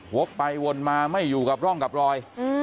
วกไปวนมาไม่อยู่กับร่องกับรอย